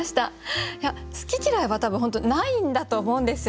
好き嫌いは多分本当ないんだと思うんですよね。